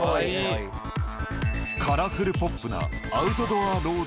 カラフルポップなアウトドア